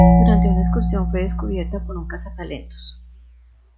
Durante una excursión fue descubierta por un cazatalentos.